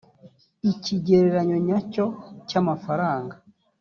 ikigereranyo nyacyo cy amafaranga